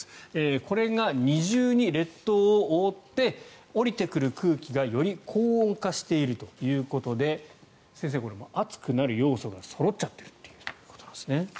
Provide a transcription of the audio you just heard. これが二重に列島を覆って下りてくる空気がより高温化しているということで先生、暑くなる要素がそろっちゃってるということなんですね。